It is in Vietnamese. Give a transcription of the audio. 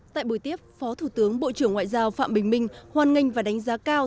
tại buổi tiếp phó thủ tướng bộ trưởng ngoại giao phạm bình minh hoan nghênh và đánh giá cao